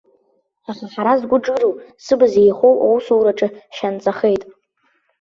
Аха ҳара згәы џыру, зыбз еихоу аусураҿы ҳшьанҵахеит.